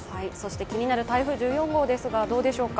気になる台風１４号ですが、どうでしょうか？